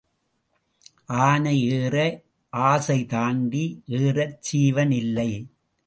ஆனை ஏற ஆசை தாண்டி ஏறச் சீவன் இல்லை.